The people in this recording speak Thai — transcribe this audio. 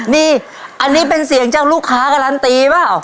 นี่อันนี้เป็นเสียงเจ้าลูกค้าการันตีเปล่า